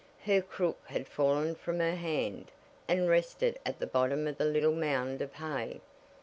Her crook had fallen from her hand, and rested at the bottom of the little mound of hay.